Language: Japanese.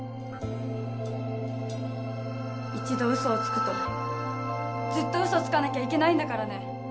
一度嘘をつくとずっと嘘つかなきゃいけないんだからね